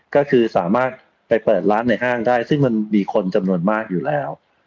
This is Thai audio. ก็คือสามารถไปเปิดร้านในห้างได้ซึ่งมันมีคนจำนวนมากอยู่แล้ว